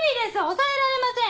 抑えられません！